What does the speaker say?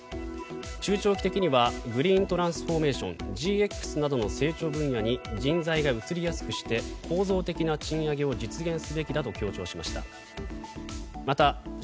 中長期的にはグリーントランスフォーメーション・ＧＸなどの成長分野に人材が移りやすくして構造的な賃上げを実現すべきだと強調しました。